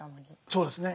そうですね。